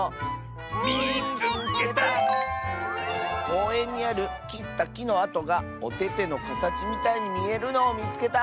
「こうえんにあるきったきのあとがおててのかたちみたいにみえるのをみつけた！」。